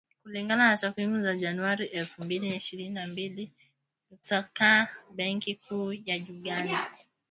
Kulingana na takwimu za Januari elfu mbili na ishirini na mbili kutoka Benki Kuu ya Uganda